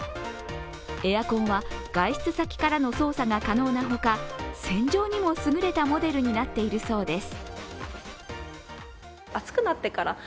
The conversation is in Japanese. エアコンは外出先からの操作が可能なほか洗浄にも優れたモデルになっているそうです。